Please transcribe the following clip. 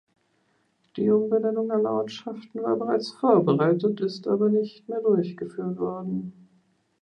Die Umbenennung aller Ortschaften war bereits vorbereitet, ist aber nicht mehr durchgeführt worden.